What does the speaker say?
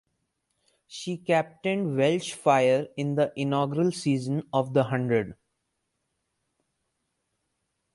She captained Welsh Fire in the inaugural season of The Hundred.